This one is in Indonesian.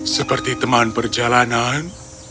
seperti teman perjalanan